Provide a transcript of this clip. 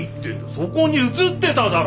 そこに映ってただろ！